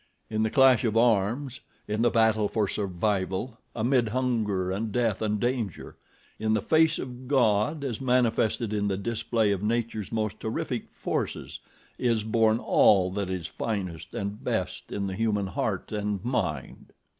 In the clash of arms, in the battle for survival, amid hunger and death and danger, in the face of God as manifested in the display of Nature's most terrific forces, is born all that is finest and best in the human heart and mind."